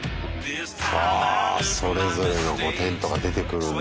あそれぞれのテントから出てくるんだ。